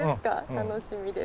楽しみです。